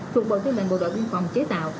thuộc bộ thương mệnh bộ đội biên phòng chế tạo